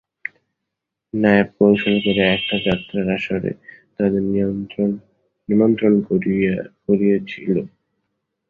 নায়েব কৌশল করে একটা যাত্রার আসরে তাদের নিমন্ত্রণ করিয়েছিল।